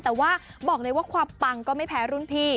แต่ว่าบอกเลยว่าความปังก็ไม่แพ้รุ่นพี่